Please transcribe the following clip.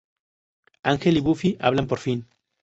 Ángel y Buffy hablan por fin.